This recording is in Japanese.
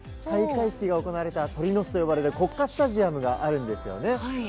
開会式が行われた、鳥の巣と呼ばれた国家スタジアムがあるんですよね。